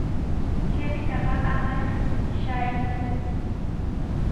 Kaypitaqa ama shaarinkiku.